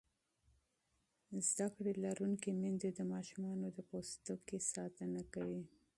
تعلیم لرونکې میندې د ماشومانو د پوستکي ساتنه کوي.